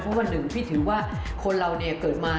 เพราะวันหนึ่งพี่ถือว่าคนเราเนี่ยเกิดมา